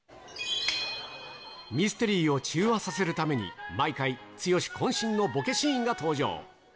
ミステリーを中和させるために、毎回、剛こん身のボケシーンが登場。